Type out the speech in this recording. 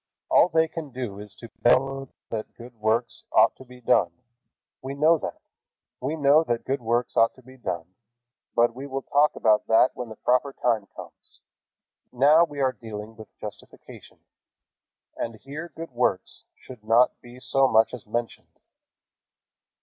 All they can do is to bellow that good works ought to be done. We know that. We know that good works ought to be done, but we will talk about that when the proper time comes. Now we are dealing with justification, and here good works should not be so much as mentioned.